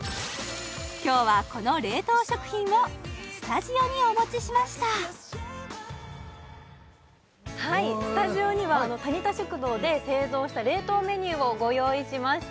今日はこの冷凍食品をスタジオにお持ちしましたスタジオにはタニタ食堂で製造した冷凍メニューをご用意しました